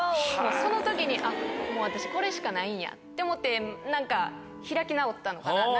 その時にもう私これしかないんやって思って何か開き直ったのかな？